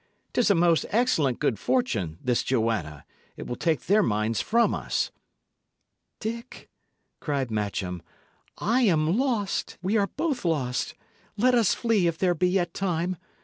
"'Tis a most excellent good fortune, this Joanna; it will take their minds from us." "Dick," cried Matcham, "I am lost; we are both lost. Let us flee if there be yet time.